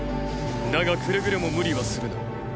だがくれぐれも無理はするな。